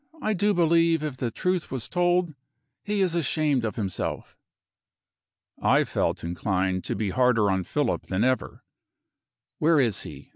I do believe, if the truth was told, he is ashamed of himself." I felt inclined to be harder on Philip than ever. "Where is he?"